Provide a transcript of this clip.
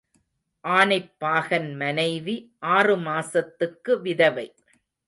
ஆனைப் பாகன் மனைவி ஆறுமாசத்துக்கு விதவை.